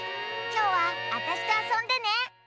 きょうはあたしとあそんでね！